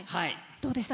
どうでした？